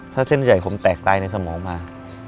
ถ้าเส้นใหญ่ผมแตกตายในสมองมา